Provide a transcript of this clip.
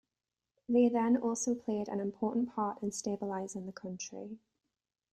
They then also played an important part in stabilizing the country.